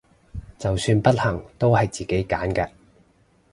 就算不幸都係自己揀嘅！